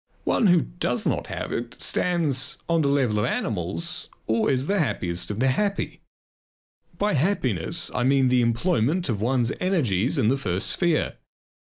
One who does not have it stands on the level of animals, or is the happiest of the happy. By happiness I mean the employment of one's energies in the first sphere.